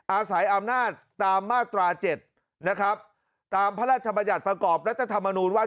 อาศัยอำนาจตามมาตรา๗นะครับตามพระราชบัญญัติประกอบรัฐธรรมนูญว่า